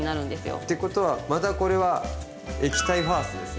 ってことはまたこれは「液体ファースト」ですね。